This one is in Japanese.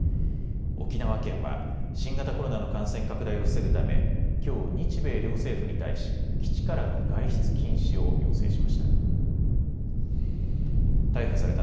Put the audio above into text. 沖縄県は新型コロナの感染拡大を防ぐためきょう、日米両政府に対し基地からの外出禁止を要請しました。